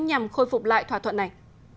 nhằm khôi phục lại thỏa thuận này